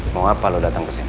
mau apa lo datang kesini